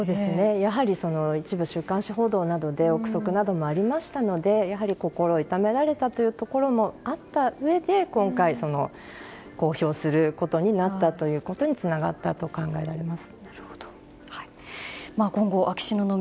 やはり一部週刊誌報道などで憶測などもありましたのでやはり心を痛められたところもあったうえで今回公表することになったということにつながったと考えられます。